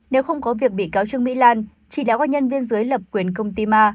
nếu không có việc bị cáo chương mỹ lan chỉ đã có nhân viên dưới lập quyền công ty ma